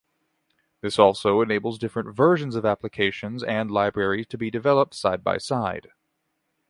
This also enables different versions of applications and libraries to be deployed side-by-side.